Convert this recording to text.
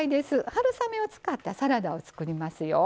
春雨を使ったサラダを作りますよ。